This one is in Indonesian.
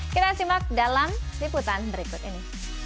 kita simak dalam liputan berikut ini